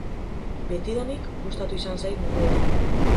Betidanik gustatu izan zait mundu hori.